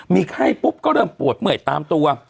มีไข้ปุ๊บก็เริ่มปวดเมื่อยตามตัว